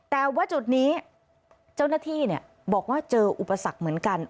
แต่ว่าจุดนี้เจ้าหน้าที่บอกว่าเจออุปสรรคเหมือนกัน